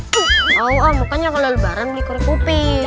tau ah mukanya kalau lebaran di korek kuping